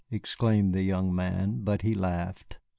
exclaimed the young man, but he laughed.